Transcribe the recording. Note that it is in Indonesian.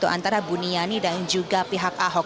antara buniani dan juga pihak ahok